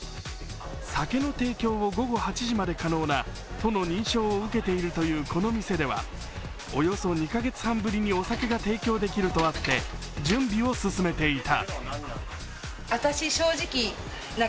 酒の提供も午後８時まで可能な都の認証を受けているというこの店では、およそ２カ月半ぶりにお酒が提供できるとあって準備を進めていた。